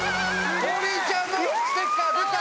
⁉王林ちゃんのステッカー出た。